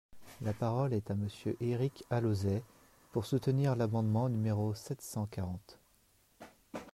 La parole est à Monsieur Éric Alauzet, pour soutenir l’amendement numéro sept cent quarante.